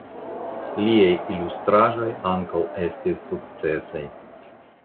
Liaj ilustraĵoj ankaŭ estis sukcesaj.